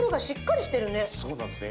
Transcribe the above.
そうなんですね。